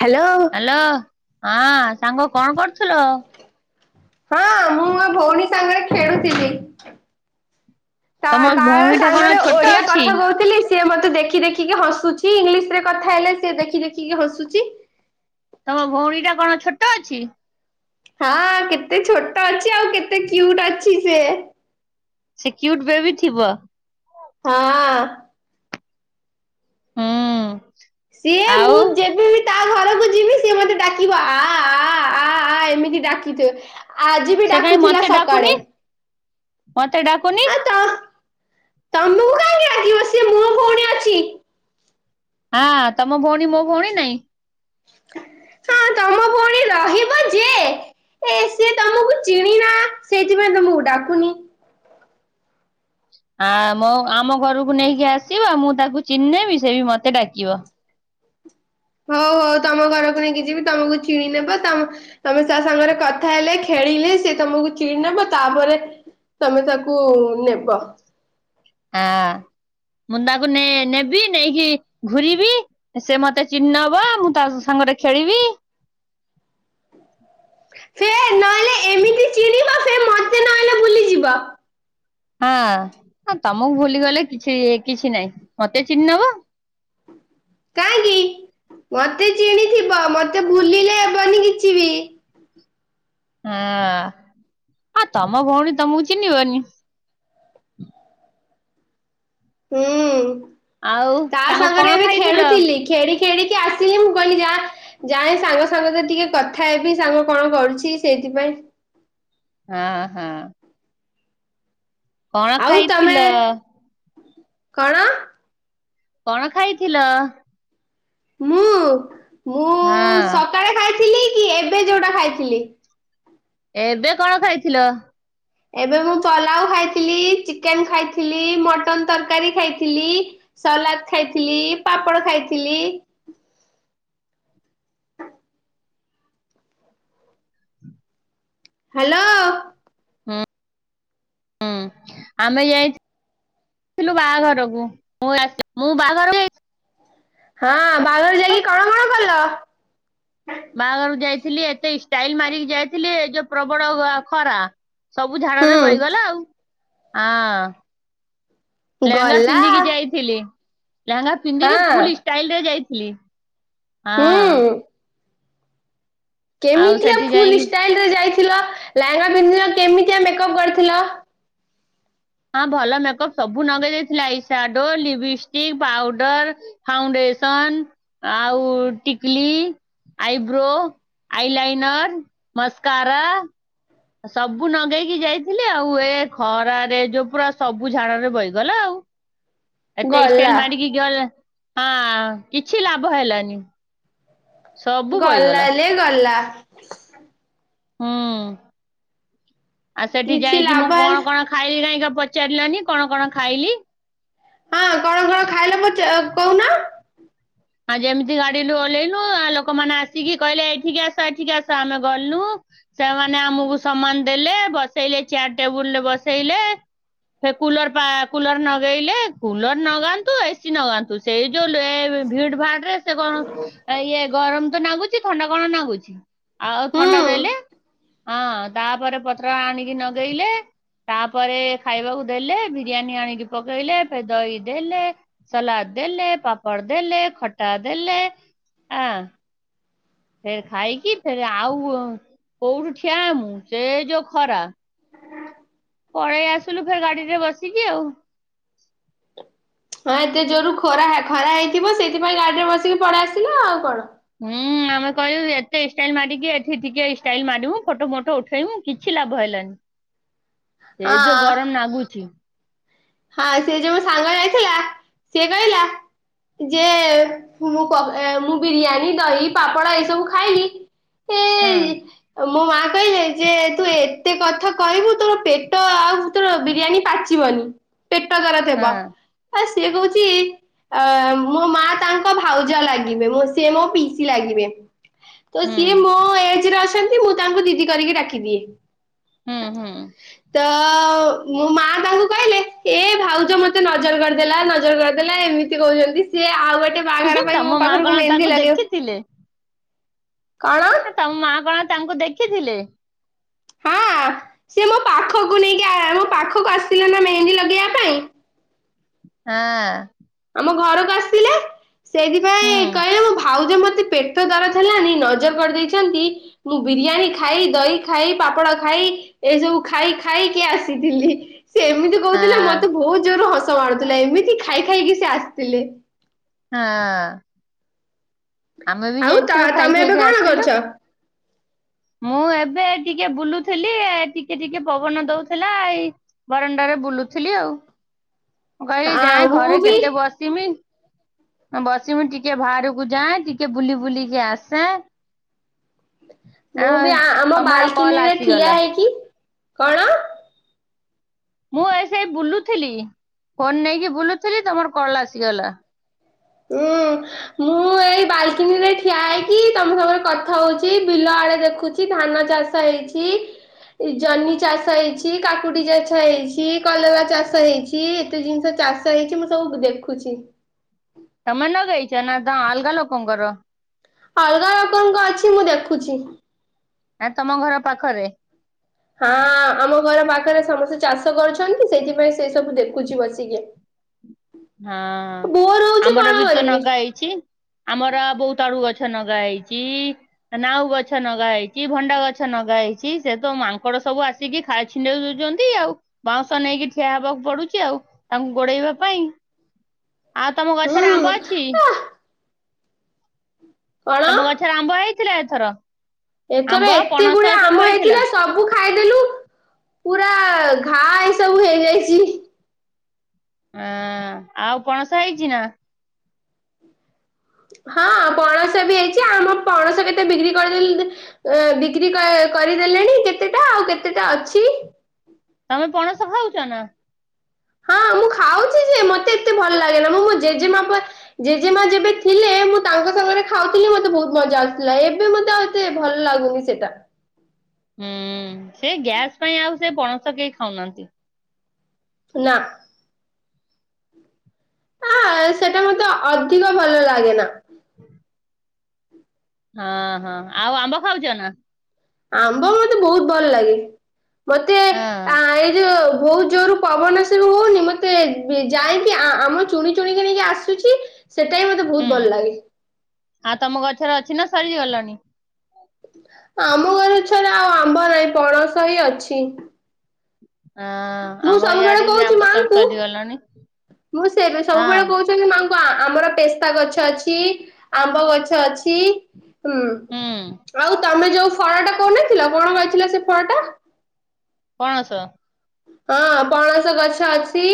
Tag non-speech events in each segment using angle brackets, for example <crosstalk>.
Hello. ହଁ ସାଙ୍ଗ କଣ କରୁଥିଲ? ହଁ ମୁଁ ମୋ ଭଉଣୀ ସାଙ୍ଗରେ ଖେଳୁଥିଲି। ତା ତମ ତାର ଭଉଣୀ ଟା କଣ ସାଙ୍ଗରେ ଛୋଟ ଓଡିଆ କଥା ଅଛି? କହୁଥିଲି। ସିଏ ମତେ ଦେଖି ଦେଖିକି ହସୁଛି। ଇଂଲିଶରେ କଥା ହେଲେ ସିଏ ଦେଖି ଦେଖିକି ହସୁଛି। ତମ ଭଉଣୀଟା କଣ ଛୋଟ ଅଛି? ହଁ କେତେ ଛୋଟ ଅଛି? ଆଉ କେତେ କ୍ୟୁଟ୍ ଅଛି ସେ? ସେ କ୍ୟୁଟ ବେବି ଥିବ? ହଁ। ଉଁ। ସିଏ ମୁଁ ଯେବେବି ତା ଘରକୁ ଯିବି। ସିଏ ମତେ ଡାକିବ ଆ ଆ ଆ ଆ ଏମିତି ଡାକିଥିବ। ଆଜି ବି ସେ କାହିଁ ଡାକୁଥିଲା ମତେ ସକାଳେ। ଡାକୁନି ମତେ ଡାକୁନି ଆ ତ ତମକୁ କାହିଁକି ଡାକିବ? ସିଏ ମୋ ଭଉଣୀ ଅଛି। ହଁ ତମ ଭଉଣୀ ମୋ ଭଉଣୀ ନାଇଁ? ହଁ ତମ ଭଉଣୀ ରହିବ ଯେ ହେ ସିଏ ତମକୁ ଚିଣିନା। ସେଇଥିପାଇଁ ତମକୁ ଡାକୁନି। ଆ ମୋ ଆମ ଘରକୁ ନେଇକି ଆସିବ। ମୁଁ ତାକୁ ଚିହ୍ନିନେବି ସେ ବି ମତେ ଡାକିବ। ହଉ ହଉ ତମ ଘରକୁ ନେଇକି ଯିବି ତମକୁ ଚିଣି ନେବ। ତମ ତମେ ତା ସାଙ୍ଗରେ କଥା ହେଲେ ଖେଳିଲେ ସେ ତମକୁ ଚିଣିନେବ ତାପରେ ତମେ ତାକୁ ନେବ। ଆ ମୁନା କୁ ନେ ନେବି ନେଇକି ଘୁରିବି। ସେ ମତେ ଚିହ୍ନୀନବ ମୁଁ ତା ସାଙ୍ଗରେ ଖେଳିବି। ସେ ନହେଲେ ଏମିତି ଚିଣିବ ସେ ମତେ ନହେଲେ ଭୁଲି ଯିବ। ହଁ, ତମକୁ ଭୁଲି ଗଲେ କିଛି କିଛି ନାହିଁ ମତେ ଚିହ୍ନି ନବ। କାହିଁକି, ମତେ ଚିଣିଥିବ ମତେ ଭୁଲିଲେ ହେବନି କିଛି ବି। ହଁ, ଆ ତମ ଭଉଣୀ ତମକୁ ଚିହ୍ନିବନି। ହୁଁ, ଆଉ ତା ସାଙ୍ଗ ସାଙ୍ଗରେ କଣ ଏବେ ଖାଇଥିଲ? ଖେଳୁଥିଲି। ଖେଳି ଖେଳି କି ଆସିଲି ମୁଁ କହିଲି ଯା ଯାଏ ସାଙ୍ଗ ସାଙ୍ଗ ସହ ଟିକେ କଥା ହେବି ସାଙ୍ଗ କଣ କରୁଛି ସେଇଥିପାଇଁ। ହଁ ହଁ। କଣ ଆଉ ତମେ, ଖାଇଥିଲ କଣ? କଣ ଖାଇଥିଲ? ମୁଁ, ମୁଁ ହଁ। ସକାଳେ ଖାଇଥିଲି କି ଏବେ ଯୋଉଟା ଖାଇଥିଲି? ଏବେ କଣ ଖାଇଥିଲ? ଏବେ ମୁଁ ପଲାଉ ଖାଇଥିଲି ଚିକେନ ଖାଇଥିଲି ମଟନ ତରକାରୀ ଖାଇଥିଲି। ସଲାଡ ଖାଇଥିଲି ପାପଡ଼ ଖାଇଥିଲି। ହାଲୋ। ହୁଁ, ହଁ ଆମେ ଯାଇଥି ଥିଲୁ ବାହାଘରକୁ ମୁଁ ଆସିି ମୁଁ ବାହାଘରକୁ। ହଁ, ବାହାଘର ଯାଇକି କଣ କଣ କଲ? ବାହାଘରକୁ ଯାଇଥିଲି ଏତେ ଷ୍ଟାଇଲ ମାରିକି ଯାଇଥିଲି ଏ ଯୋଉ ପ୍ରବଳ ଖରା। ସବୁ ଝାଳ ରେ ବହିଗଲା ହୁଁ ଆଉ ହଁ। ଲେହେଙ୍ଗା ଗଲା ପିନ୍ଧିକି ଯାଇ ଥିଲି ଲେହେଙ୍ଗା ପିନ୍ଧିକି ଫୁଲ ହଁ ଷ୍ଟାଇଲରେ ଯାଇଥିଲି ହଁ। ହୁଁ ଆଉ କେମିତିଆ ସେଠି ଫୁଲ ଯାଇକି ଷ୍ଟାଇଲରେ ଯାଇଥିଲ ଲେହେଙ୍ଗା ପିନ୍ଧ କେମିତିଆ ମେକଅପ୍ କରିଥିଲ? ହଁ ଭଲ ମେକଅପ୍ ସବୁ ଲଗେଇ ଦେଇଥିଲି ଆଇସାଡୋ ଲିପଷ୍ଟିକ ପାଉଡର। ଫାଉଣ୍ଡେସନ ଆଉ ଟିକଲି। Eyebrow eyeliner mascara. ସବୁ ନଗେଇକି ଯାଇଥିଲେି ଆଉ ଏ ଖରାରେ ଯୋଉ ପୁରା ସବୁ ଝାଳରେ ବହିଗଲା ଆଉ। <unintelligible> ଏତେ ଗଲା ଇଷ୍ଟାଇଲ ମାରିକି ଯିବା ଜା ହଁ, କିଛି ଲାଭ ହେଲାନି। ସବୁ ଗଲା ବହିଗଲା ଲେ ଗଲା। ହୁଁ, ଆଉ ସେଠି କିଛି ଯାଇକି ମୁଁ ଲାଭ ହେଲ କଣ କଣ ଖା ଖାଇଲି କି ନାହିଁକା ପଚାରିଲାନି କଣ କଣ ଖାଇଲି। ହଁ କଣ କଣ ଖାଇଲେ ପଚା କହୁନା। ଆଉ ଯେମିତି ଗାଡିରୁୁ ଓଲେହିଲୁ ଆ ଲୋକମାନେ ଆସିକି କହିଲେ ଏଠିକି ଆସ ଏଠିକି ଆସ ଆମେ ଗଲୁ ସେମାନେ ଆମକୁ ସମାନ ଦେଲେ ବସେଇଲେ ଚେୟାର ଟେବୁଲ ରେ ବସେଇଲେ। ସେ କୁଲର ପା କୁଲର ନଗେଇଲେ କୁଲର ନଗାନ୍ତୁ ଏସିି ନଗାନ୍ତୁ ସେଇ ଯୋଉ ରେ ଭିଡ। ବା ଡ୍ରେସେ କଣ ଇଏ ଗରମ ତ ନାଗୁଛି ଥଣ୍ଡା କଣ ନାଗୁଛି। ଆଉ ହୁଁ ଥଣ୍ଡା ଦେଲେ ହଁ ତାପରେ ପତ୍ର ଆଣିକି ନଗେଇଲେ ତାପରେ ଖାଇବାକୁ ଦେଲେ ବିରିୟାନୀ ଆଣିକି ପକେଇଲେ ଫେର୍ ଦହି ଦେଲେ। ସଲାଡ ଦେଲେ ପାପଡ଼ ଦେଲେ ଖଟା ଦେଲେ ଆ ଫେର ଖାଇକି ଫେର ଆଉ କୋ କୋଉଠୁ ଠିଆହବୁ ସେ ଯୋଉ ଖରା। ପଳେଇଆସିଲୁ ଫେର ଗାଡିରେ ବସିକି ଆଉ। ହଁ ଏତେଜୋରୁ ଖରା ଖରା ହେଇଥିବ ସେଇଥିପାଇଁ ଗାଡିରେ ବସିକି ପଳେଇଆସିଲ ଆଉ କଣ? ହୁଁ ଆମେ କହିବୁ ଏତେ ଷ୍ଟାଇଲ ମାରିକି ଏଠି ଟିକିଏ ଷ୍ଟାଇଲ ମାରିବୁ ଫଟ ଫଟ ଉଠେଇବୁ। କିଛି ଲାଭ ହେଲାନି। <inaudible> ସେଇ ଯୋଉ ଗରମ ନାଗୁଛି। ଆ ସେ ଯୋଉ ସାଙ୍ଗ ଯାଇଥିଲା ସିଏ କହିଲା। ଯେ ମୁଁ ମୁଁ ବିରିୟାନୀ ଦହି ପାମ୍ପଡ ଏଇସବୁ ଖାଇଲି। <unintelligible> ହଁ। ମୋ ମା କାଇଁ। ଯେ ଯେ ତୁ ଏତେ କଥା କହିବୁ ତୋର ପେଟ ଆଉ ତୋର ବିରିୟାନୀ ପାଚିବନି। ପେଟ ଖରାପ ହଁ ହେବ ଆଉ ସିଏ କହୁଚି। ଅ ମୋ ମା ତାଙ୍କ ଭାଉଜ ଲାଗିବେ ସିଏ ମୋ ପିଇସି ଲାଗିବେ। ତ ହୁଁ ସିଏ ମୋ ଏଜରେ ଅଛନ୍ତି ମୁଁ ତାଙ୍କୁ ଦିଦି କରିକି ଡାକିଦିଏ। ହଁ ହଁ। ତ ମୋ ମା ତାଙ୍କୁ କହିଲେ। ଏଭାଉଜ ମତେ ନଜର କରିଦେଲା ନଜର କରିଦେଲା ଏମିତି କହୁଛନ୍ତି ସିଏ ଆଉ ଗୋଟେ। ବାହାଘର ପାଇଁ ମୋ ତମ ମା କଣ ପାଖରକୁ ମେହେନ୍ଦି ତାକୁ ଲଗେଇବେ। ଦେଖିଥିଲେ କଣ? ତମ ମା କଣ ତାଙ୍କୁ ଦେଖିଥିଲେ। ହଁ ସିଏ ମୋ ପାଖକୁ ନେଇକି ଆ ମୋ ପାଖକୁ ଆସି। ହାଁ। ଆମ ଘରକୁ ଆସିଥିଲେ ହୁଁ ସେଇଥିପାଇଁ କହିଲେ ମୋ ଭାଉଜ ମତେ ପେ ପେଟଦରଜ ହେଲାଣି ନଜର କରିଦେଇଛନ୍ତି ମୁଁ ବିରିୟାନୀ ଖାଇ ଦହି ଖାଇ ପାପଡ଼ ଖାଇ ଏସବୁ ଖାଇ ଖାଇକି ଆସିଥିଲି ସେ ଏମିତି ହଁ କହୁଥିଲେ ମତେ ବହୁତ ଜୋରେ ହସ ମାଡୁଥିଲା ଏମିତି ଖାଇ ଖାଇକି ସେ ଆସିଥିଲେ। ହାଁ। ଆଉ ତ ଯାଇଥିଲୁ ଖାଇ ତମେ ଏବେ ଖାଇକି କଣ ଆସିଲୁ। କରୁଚ? ମୁଁ ଏବେ ଟିକିଏ ବୁଲୁଥିଲି ଟିକିଏ ଟିକିଏ ପବନ ଦଉଥିଲା ଏଇ ବାରଣ୍ଡାରେ ବୁଲୁଥିଲି ଆଉ ମୁଁ କହଲି ହଁ ଯାଏଁ ମୁଁ ଘରେ ବି କେତେ ବସିମି। ବସିମି ଟିକିଏ ବାହାରକୁ ଯାଏଁ ଟିକିଏ ବୁଲି ବୁଲିକି ଆସେ। ମୁଁବି ଆ ଆମ ତମର କଲ ବାଲକିନିରେ ଠିଆ ଆସିଗଲା ହେଇକି କଣ? ମୁଁ ଏଇ ସେଇ ବୁଲୁଥିଲି ଫୋନ ନେଇକି ବୁଲୁଥିଲି ତମର କଲ ଆସିଗଲା। ଉୁଁ। ମୁଁ ଏଇ ବାଲକିନିରେ ଠିଆ ହେଇକି ତମ ସାଙ୍ଗରେ କଥା ହଉଚି ବିଲଆଡେ ଦେଖୁଚି। କି ଧାନ ଚାଷ ହେଇଛି। ଏଇ ଜହ୍ନି ଚାଷ ହେଇଛି କାକୁଡି ଚାଷ ହେଇଛି କଲରା ଚାଷ ହେଇଛି। କି ଏତେ ଜିନିଷ ଚାଷ ହେଇଛି ମୁଁ ସବୁ ଦେଖୁଛି। ତମେ ନଗେଇଚ ନାଁ ତ ଅଲଗା ଲୋକଙ୍କର। ଅଲଗା ଲୋକଙ୍କ ଅଛି ମୁଁ ଦେଖୁଛି। ନାଇଁ ତମ ଘର ପାଖରେ। ହଁ ଆମ ଘର ପାଖରେ ସମସ୍ତେ ଚାଷ କରୁଛନ୍ତି ସେଇଥିପାଇଁ ସେ ସବୁ ଦେଖୁଛି ବସିକି। <inaudible> ହଁ ବୋର ହଉଛି ଆମର କଣ ବି ତ କରିବି ନଗା ଇ ଚି ଆମର ବୌତଳୁ ଗଛ ନଗା ହେଇଛି। ନାଉ ଗଛ ନଗା ହେଇଛି ଭଣ୍ଡା ଗଛ ନଗା ହେଇଛି ସେ ତ ମାଙ୍କଡ ସବୁ ଆ ସିକି ଖାଇ ଛିଣ୍ଡେଇ ଦଉଛନ୍ତି ଆଉ ବାଉଁଶ ନେଇକି ଠିଆ ହେବାକୁ ପଡୁଛି ଆଉ। ତାଙ୍କୁ ଗୋଡେଇବା ପାଇଁ ଆଉ ତମ ହୁଁ ଗଛରେ ଆମ୍ବ ଅଛି? ଆ କଣ ତମ ଗଛରେ ଆମ୍ବ ହେଇଥିଲା ଏଥର? ଆମ୍ବ ଏଥର ଏତେ ପଣସ ଗୁଡେ ସବୁ ଆମ୍ୱ ହେଇଥିଲା ସବୁ ଖାଇଦେଲୁ ପୁରା ଘା ଏସବୁ ହେଇଯାଇଛି। ହଁ ଆଉ ପଣସ ହେଇଛି ନା? ହଁ ପଣସ ବି ହେଇଛି ଆମ ପଣସ କେତେ ବିକ୍ରି କରିଦେଲ ଅ ବିକ୍ରି କରିଦେଲେଣି କେତେଟା ଆଉ କେତେଟା ଅଛି। ତମେ ପଣସ ଖାଉଛ ନା? ହଁ ମୁଁ ଖାଉଛି ଯେ ମତେ ଏତେ ଭଲ ଲାଗେନା ମୁଁ ମୋ ଜେଜେମାପ ଜେଜେମା ଯେବେ ଥିଲେ ମୁଁ ତାଙ୍କ ସାଙ୍ଗରେ ଖାଉଥିଲି ମତେ ବହୁତ ମଜା ଆସୁଥିଲା ଏବେ ମତେ ଆ ଏତେ ଭଲ ଲାଗୁନି ସେଟା। ହୁଁ ସେ ଗ୍ୟାସ ପାଇଁ ଆଉ ସେ ପଣସ କେହି ଖାଉନାହାନ୍ତି। ନା। ଆ ସେଟା ମତେ ଅଧିକ ଭଲ ଲାଗେ ନା। <inaudible> ହଁ ହଁ ଆଉ ଆମ୍ବ ଖାଉଛ ନା? ଆମ୍ବ ମତେ ବହୁତ ଭଲ ଲାଗେ ମତେ ହଁ ଏଇ ଯୋଉ ବୋଉତ ଜୋର ପବନ ସିନୁ ହଉନି ମତେ ଯାଇକି ଆମ ଚୁଣି ଚୁଣିକି ନେଇକି ଆସୁଛି। ସେଟା ବି ମତେ ବହୁତ ଭଲ ଲାଗେ। ଆ ତମ ଗଛରେ ଅଛି ନା ସରି ଗଲଣି? ଆମ ଗଛ ରେ ଆଉ ଆମ୍ବ ନାହିଁ ପଣସ ହିଁ ଅଛି। ହଁ ମୁଁ ଆମ ସବୁବେଳେ ଇଆଡେ ବି କହୁଛି ଆମ୍ବ ସବୁ ମାଙ୍କୁ ସରିଗଲାଣି ମୁଁ ସେବେ ହଁ ସବୁବେଳେ କହୁ ମା ଙ୍କୁ ଆମର ପେସ୍ତାଗଛ ଅଛି ଆମ୍ବଗଛ ଅଛି। ହୁଁ ଆଉ ତମେ ଯୋଉ ଫଳଟା କହୁ ନଥିଲ କଣ କହିଥିଲ ସେଫଳଟା? ପଣସ। ହଁ ପଣସ ଗଛ ଅଛି।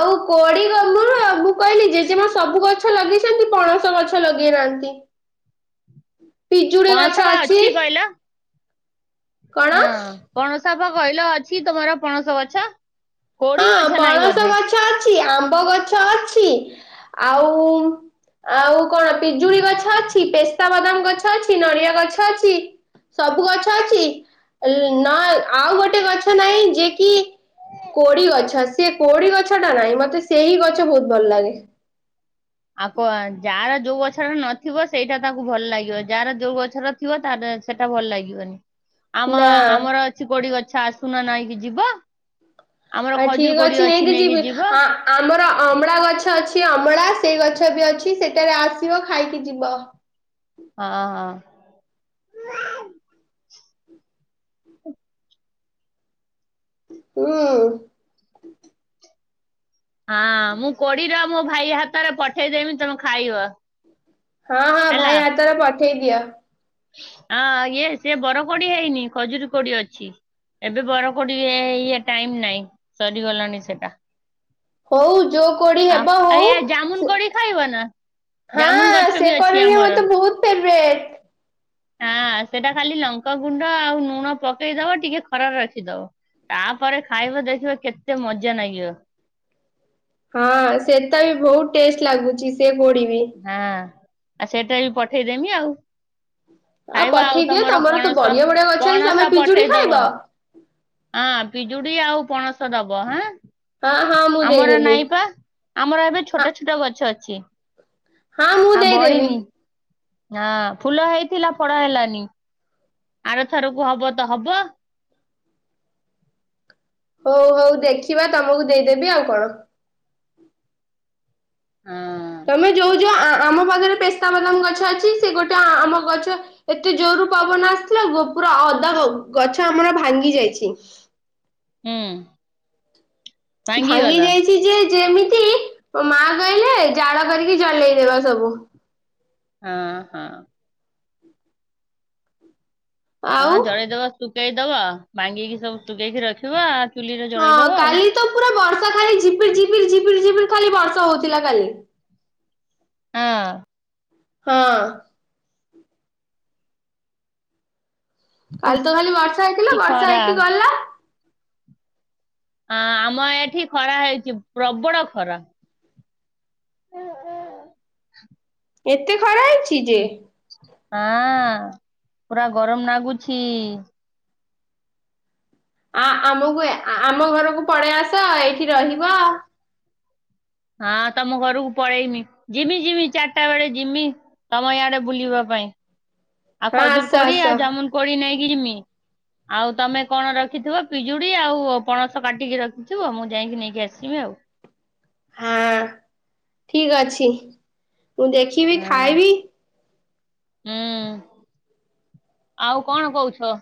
ଆଉ କୋଡି <unintelligible> ମୁଁ କହିଲି ଜେଜେମା ସବୁ ଗଛ ଲଗେଇଛନ୍ତି ପଣସ ଗଛ ଲଗେଇନାହାନ୍ତି। <inaudible> ପିଜୁଳି ପଣସ ଗଛ ବା ଅଛି କହିଲ କଣ? ପଣସପା କହିଲ ଅଛି ତୁମର ପଣସ ଗଛ। କୋଡି ହଁ ଗଛ ନାହିଁ ପଣସ ବୋଧେ? ଗଛ ଅଛି ଆମ୍ବ ଗଛ ଅଛି ଆଉ ଆଉ କଣ ପିଜୁଳିଗଛ ଅଛି ପେସ୍ତା ବାଦାମଗଛ ଅଛି ନଡ଼ିଆଗଛ ଅଛି। ସବୁ ଗଛ ଅଛି ନ ଆଉ ଗୋଟେ ଗଛ ନାହିଁ ଯିଏକିି କୋଡି ଗଛ ସେ କୋଡି ଗଛଟା ନାହିଁ ମତେ ସେଇ ଗଛ ବହୁତ ଭଲଲାଗେ। ଆଉ କ ଯାହାର ଯୋଉ ଗଛଟା ନଥିବ ସେଇଟା ତାକୁ ଭଲ ଲାଗିବ ଯାହାର ଯୋଉ ଗଛର ଥିବ ତାର ସେଟା ଭଲ ଲାଗିବନି। <inaudible> ଆମ ନା ଆମର ଅଛି କୋଡି ଗଛ ଆସୁନ ନେଇକି ଯିବ। ଆମର ଆ ଖଜୁର ଠିକ କୋଡି ଅଛି ନେଇକି ଯିବି ଯିବ ଆ ଆମର ଅମଳା ଗଛ ଅଛି ଅମଳା ସେଇ ଗଛବି ଅଛି ସେଠାରେ ଆସିବ ଖାଇକି ଯିବ। ହଁ ହଁ। ହୁଁ ଉଁ। ହଁ ମୁଁ କୋଡିର ମୋ ଭାଇ ହାତରେ ପଠେଇଦେମି ତମେ ଖାଇବ। ହଁ -ହଁ ଭାଇ ହାତାରେ ପଠେଇ ଦିଅ। ଆଁ ଇଏ ସେ ବର କୋଡିଆ ହେଇନି ଖଜୁରୀ କୋଡି ଅଛି। ଏବେ ବର କୋଡି ଇଏ ଟାଇମ୍ ନାଇଁ ସରିଗଲାଣି ସେଟା। ହୋଉ ଯୋଉ କୋଡି ଆଉ ହେବ ଆ ହୋଉ। ଏ ଜାମୁନ କୋଳି ଖାଇବ ନା ଜାମୁନ ଗଛ ହଁ ସେ ଅଛି କୋଳି ବି ଆମର। ମୋତେ ବୋହୁତ୍ ଫେବ୍ରେଟ୍। ହଁ ସେଟା ଖାଲି ଲଙ୍କା ଗୁଣ୍ଡ ଆଉ ଲୁଣ ପକେଇଦବ ଟିକେ ଖରାରେ ରଖିଦବ। ତାପରେ ଖାଇବା ଦେଖିବ କେତେ ମଜା ନାଗିବ। ହଁ ସେ ତା ବି ବୋହୁତ୍ ଟେଷ୍ଟ୍ ଲାଗୁଛି ସେ କୋଡିବି ହଁ, ଆଉ ସେଟାବି ପଠେଇଦେମି ଆଉ। ଖାଇବ ଆଉ ପଠେଇ ଦିଅ ତମର ତ ପଣସ, ବଢିଆ ବଢିଆ ଗଛ ଅଛି ପଣସ ତମେ ପିଜୁଳି ପଠେଇଦବ। ଖାଇବ ହଁ ପିଜୁଡି ଆଉ ପଣସ ଦବ ହାଁ, ହଁ ହଁ ମୁଁ ଆମର ଦେଇଦେବି ନାଇଁ ପା। ଆମର ଏବେ ହଁ ଛୋଟ ଛୋଟ ଗଛ ଅଛି। ହଁ ମୁଁ ଆଉ ଦେଇଦେବି ବଡିନି ହଁ ଫୁଲ ହେଇଥିଲା ଫଳ ହେଲାନି। ଆର ଥରକୁ ହବତ ହବ। ହୋଉ -ହୋଉ ଦେଖିବା ତମକୁ ଦେଇଦେବି ଆଉ କଣ? ହଁ। ତମେ ଯୋଉ ଯୋଉ ଆ-ଆମ ପାଖରେ ପେସ୍ତାବାଦାମ ଗଛ ଅଛି, ସେ ଗୋଟେ ଆ -ଆମ ଗଛ। ଏତେ ଜୋର୍ ରୁ ପବନ ଆସିଥିଲା ପୁରା ଅଧା ଗଛ ଆମର ଭାଙ୍ଗି ଯାଇଛି। ହୁଁ। ଭାଙ୍ଗି ଭାଙ୍ଗିଗଲା ଯାଇଛ୍ ତି ଯେ -ଯେମିତି ମା କହିଲେ ଜାଳ କରିକି ଜଲେଇଦବା ସବୁ। ହଁ- ହଁ। ହଁ ଆଉ ଜଳେଇଦବ ସୁକେଇଦବ ଭାଙ୍ଗିକି ସବୁ ଶୁକେଇକି ରଖିବ ଆ -ଆ ହଁ କାଲି ତ ପୁରା ବର୍ଷା ଖାଲିି ଝିପିରି -ଝିପିରି -ଝିପିରି- ଝିପିରି ଖାଲି ବର୍ଷା ହଉଥିଲା କାଲି। ହଁ -ଅଁ। ହଁ। ଆଉ ତ କାଲି ଖାଲି ବର୍ଷା ହେଇଥିଲ, କି ବର୍ଷା ଖରା ହେଇକି ଗଲା। ହଁ ଆମ ଏଠି ଖରା ହେଇଛି ପ୍ରବଳ ଖରା। <unintelligible> ଏତେ ଖରା ହେଇଛି ଯେ। ହାଁ ପୁରା ଗରମ୍ ଲାଗୁଛି। ଆ -ଆମକୁ ଆମ ଘରକୁ ପଳେଇ ଆସ ଏଇଠି ରହିବ। ହଁ ତମ ଘରକୁ ପଳେଇମି ଯିମି ଯିମି ଚାରିଟା ବେଳେ ଜିମି। ତମରି ଆଡେ ବୁଲିବା ପାଇଁ ଆଉ ହଁ ଖଜୁରୁ ଆସ କୋଳି ଆଉ ଆସ। ଯାମୁନ୍ କୋଳି ନେଇ କି ଯିମି। ଆଉ ତମେ କଣ ରଖିଥିବ, ପିଜୁଡି ଆଉ ପଣସ କାଟିକି ରଖିଥିବ। ମୁଁ ଯାଇକି ନେଇକି ଆସିବି ଆଉ। ହଁ ଠିକ୍ ଅଛି। ମୁଁ ଦେଖି ହଁ। ହୁଁ ଆଉ କଣ କହୁଛ?